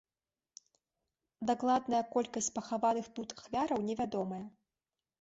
Дакладная колькасць пахаваных тут ахвяраў невядомая.